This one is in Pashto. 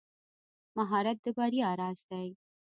مهارت د بریا راز دی.